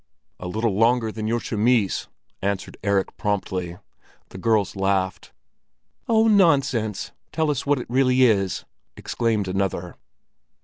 "A little longer than your chemise," answered Erik promptly. The girls laughed. "Oh, nonsense! Tell us what it really is!" exclaimed another.